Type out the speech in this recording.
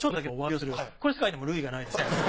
これ世界でも類がないですね。